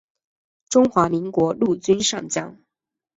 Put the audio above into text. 中华民国陆军上将。